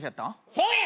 そうや！